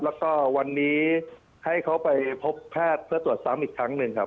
แล้วก็วันนี้ให้เขาไปพบแพทย์เพื่อตรวจซ้ำอีกครั้งหนึ่งครับ